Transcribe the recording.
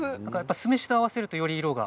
酢飯と合わせるとより色が。